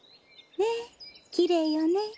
ねえきれいよね。